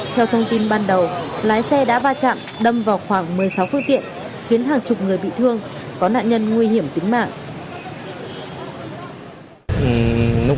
theo thông tin ban đầu lái xe đã va chạm đâm vào khoảng một mươi sáu phương tiện khiến hàng chục người bị thương có nạn nhân nguy hiểm tính mạng